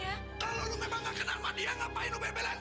atau lo mau buang